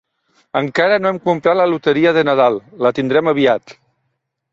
Encara no hem comprat la loteria de Nadal, la tindrem aviat.